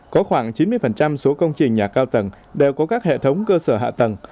có khoảng chín mươi số công trình nhà cao tầng đều có các hệ thống cơ sở hạ tầng